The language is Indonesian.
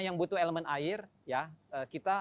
yang butuh elemen air ya kita